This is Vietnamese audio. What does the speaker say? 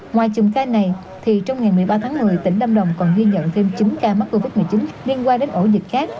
ngoài chùm ca này trong ngày một mươi ba tháng một mươi tỉnh lâm đồng còn ghi nhận thêm chín ca mắc covid một mươi chín liên quan đến ổ dịch khác